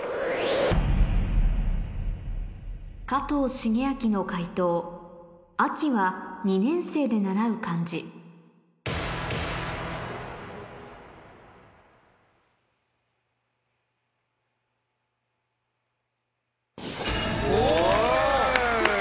加藤シゲアキの解答「秋は２年生で習う漢字」お！